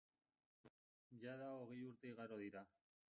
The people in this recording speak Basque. Jada hogei urte igaro dira.